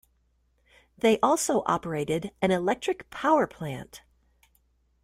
They also operated an electric power plant.